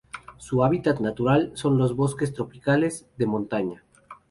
Su hábitat natural son los bosques subtropicales de montaña.